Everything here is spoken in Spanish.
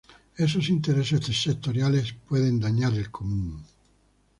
Esos intereses sectoriales pueden dañar el común.